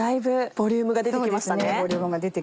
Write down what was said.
ボリュームが出てきましたね。